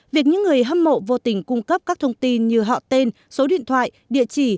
việc những người hâm mộ vô tình cung cấp các thông tin như họ tên số điện thoại địa chỉ